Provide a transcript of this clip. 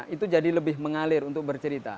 itu jadi lebih mengalir untuk bercerita